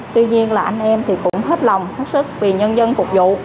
tuy nhiên là anh em thì cũng hết lòng hết sức vì nhân dân phục vụ